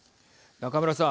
中村さん。